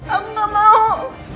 aku gak mau